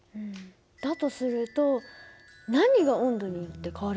だとすると何が温度によって変わるんだろう？